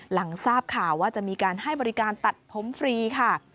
หลังทราบข่าวว่าจะมีการให้บริการตัดผมฟรีค่ะ